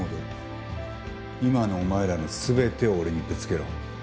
今のお前らの全てを俺にぶつけろ。